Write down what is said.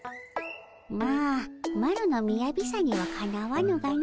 まあマロのみやびさにはかなわぬがの。